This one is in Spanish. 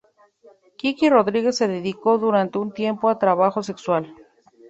Kiki Rodríguez se dedicó durante un tiempo al trabajo sexual.